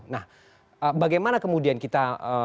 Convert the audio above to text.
nah bagaimana kemudian kita